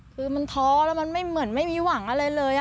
คือมันท้อแล้วมันไม่เหมือนไม่มีหวังอะไรเลย